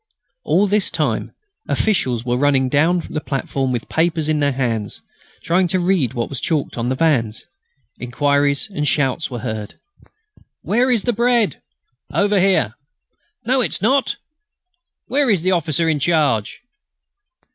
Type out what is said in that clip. All this time officials were running down the platform with papers in their hands, trying to read what was chalked on the vans. Enquiries and shouts were heard: "Where is the bread?" "Over here." "No, it's not." "Where is the officer in charge?"